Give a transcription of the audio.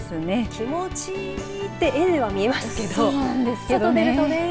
気持ちいいって絵では見えますけど外出るとね。